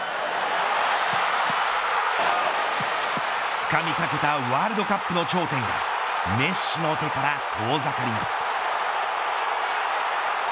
つかみかけたワールドカップの頂点がメッシの手から遠ざかります。